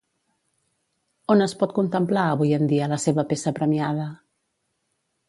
On es pot contemplar avui en dia la seva peça premiada?